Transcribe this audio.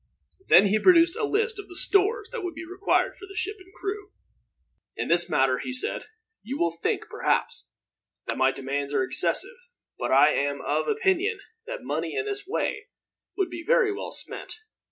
Then he produced a list of the stores that would be required for the ship and crew. "In this matter," he said, "you will think, perhaps, that my demands are excessive; but I am of opinion that money in this way would be well spent.